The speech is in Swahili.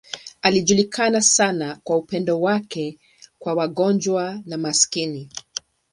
Alijulikana sana kwa upendo wake kwa wagonjwa na maskini.